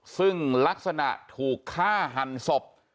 ซึ่งลักษณะถูกฆ่าหันศพ